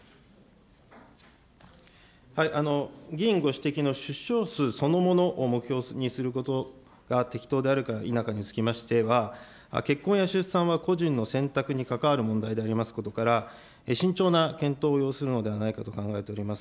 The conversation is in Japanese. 議員ご指摘の出生数そのものを目標にすることが適当であるか否かにつきましては、結婚や出産は個人の選択に関わる問題でありますことから、慎重な検討を要するのではないかと考えております。